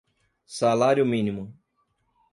salário-mínimo